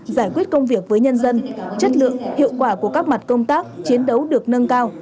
giải quyết công việc với nhân dân chất lượng hiệu quả của các mặt công tác chiến đấu được nâng cao